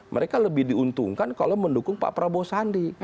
mereka lebih diuntungkan kalau mendukung pak prabowo sandi